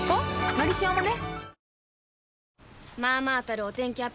「のりしお」もね